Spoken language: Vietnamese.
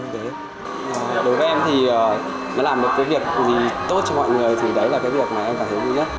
vậy thì làm được cái việc gì tốt cho mọi người thì đấy là cái việc mà em cảm thấy vui nhất